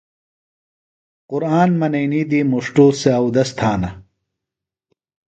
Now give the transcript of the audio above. قُرآن منئینی دی مُݜٹوۡ سےۡ اودس تھانہ۔